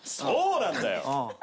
そうなんだよ！